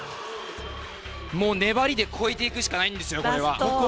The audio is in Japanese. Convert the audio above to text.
もう、粘りで超えていくしかないんですよ、これは。